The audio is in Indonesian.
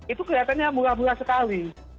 itu kelihatannya murah murah sekali